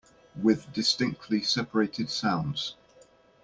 With distinctly separated sounds.